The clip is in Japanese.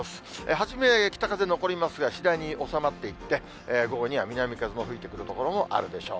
初め北風残りますが、次第に収まっていって、午後には南風も吹いてくる所もあるでしょう。